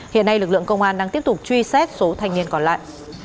hiện nay lực lượng công an đang tiếp tục truy xét số thanh niên còn lại